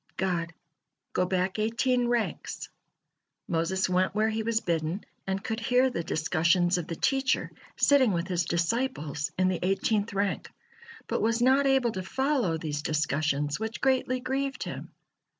God: "Go back eighteen ranks." Moses went where he was bidden, and could hear the discussions of the teacher sitting with his disciples in the eighteenth rank, but was not able to follow these discussions, which greatly grieved him.